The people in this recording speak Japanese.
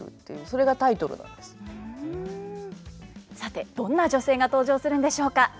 さてどんな女性が登場するんでしょうか？